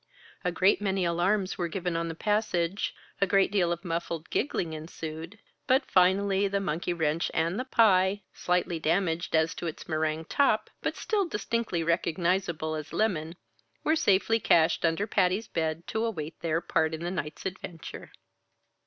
A great many alarms were given on the passage, a great deal of muffled giggling ensued, but finally the monkey wrench and the pie slightly damaged as to its meringue top, but still distinctly recognizable as lemon were safely cached under Patty's bed to await their part in the night's adventure.